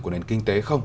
của nền kinh tế không